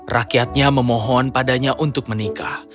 rakyatnya memohon padanya untuk menikah